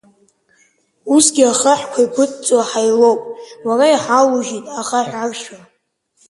Усгьы ахаҳәқәа еигәыдҵо ҳаилоуп, уара иҳалаужьит ахаҳә аршәра!